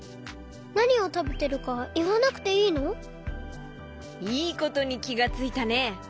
なにをたべてるかいわなくていいの？いいことにきがついたね！